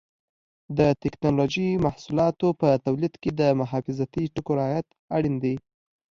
د ټېکنالوجۍ محصولاتو په تولید کې د حفاظتي ټکو رعایت اړین دی.